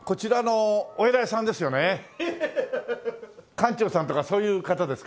館長さんとかそういう方ですか？